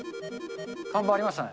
看板ありましたね。